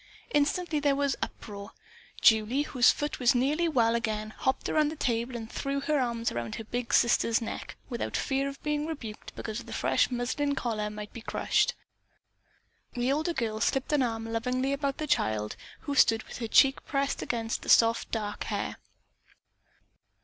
Instantly there was an uproar. Julie, whose foot was nearly well again, hopped around the table and threw her arms about her big sister's neck without fear of being rebuked because the fresh muslin collar might be crushed. The older girl slipped an arm lovingly about the child, who stood with her cheek pressed against the soft dark hair.